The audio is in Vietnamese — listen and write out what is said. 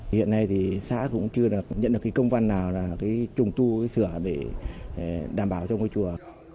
hiện nay thì xã cũng chưa được nhận được công văn nào là trùng tu sửa để đảm bảo cho ngôi chùa